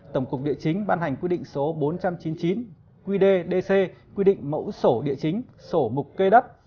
tổng cục địa chính ban hành quy định số bốn trăm chín mươi chín qddc quy định mẫu sổ địa chính sổ mục cây đất